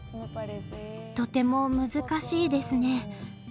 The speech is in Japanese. とても難しいですね。